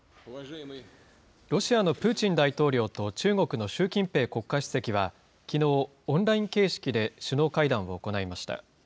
ロシアのプーチン大統領と中国の習近平国家主席は、きのう、オンライン形式で首脳会談を行いました。